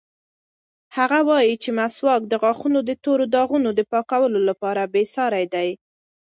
هغه وایي چې مسواک د غاښونو د تورو داغونو د پاکولو لپاره بېساری دی.